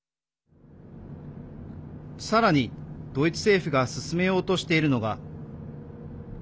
さらに、ドイツ政府が進めようとしているのが。